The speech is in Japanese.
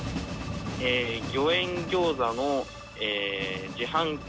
「餃苑餃子の自販機